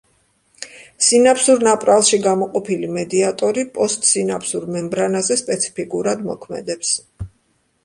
სინაფსურ ნაპრალში გამოყოფილი მედიატორი პოსტსინაფსურ მემბრანაზე სპეციფიკურად მოქმედებს.